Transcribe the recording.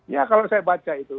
ya kalau saya baca itu